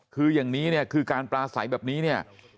คืออย่างนี้เนี่ยคือการปลาใสแบบนี้เนี่ย